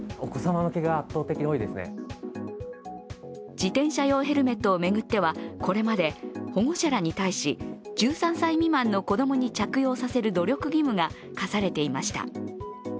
自転車用ヘルメットを巡ってはこれまで保護者らに対し、１３歳未満の子供に着用させる努力義務が課されていました。